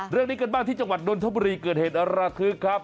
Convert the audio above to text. เรื่องนี้กันบ้างที่จังหวัดนนทบุรีเกิดเหตุระทึกครับ